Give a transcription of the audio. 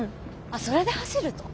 あっそれで走ると。